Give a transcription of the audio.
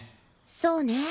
そうね。